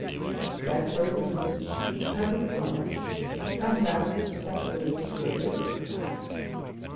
But that golden age, that perfect world, comes out into the possibilities of space and time.